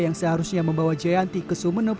yang seharusnya membawa jayanti ke sumeneb